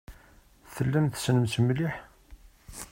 Tellam tessnem-t mliḥ?